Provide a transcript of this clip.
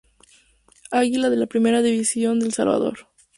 Águila de la Primera División de El Salvador.